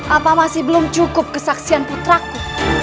apa masih belum cukup kesaksian putraku